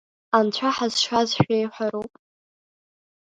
Анцәа ҳазшаз шәиҳәароуп…